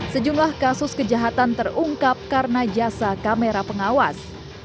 sejumlah kasus kejahatan terungkap karena jasa kamera pengawas